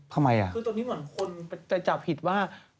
ทำไมอ่ะคือตอนนี้เหมือนคนจะจับผิดว่า